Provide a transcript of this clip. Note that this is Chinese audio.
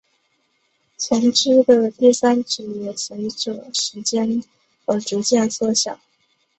前肢的第三指也随者时间而逐渐缩小。